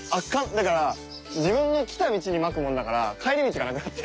だから自分が来た道にまくもんだから帰り道がなくなって。